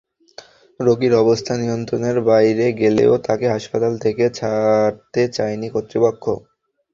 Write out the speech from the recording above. রোগীর অবস্থা নিয়ন্ত্রণের বাইরে গেলেও তাঁকে হাসপাতাল থেকে ছাড়তে চায়নি কর্তৃপক্ষ।